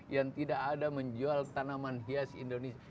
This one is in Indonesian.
yang tidak ada menjual tanaman hias indonesia